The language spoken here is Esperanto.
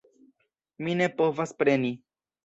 Mi ne povas preni!